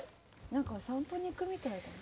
何か散歩に行くみたいだね。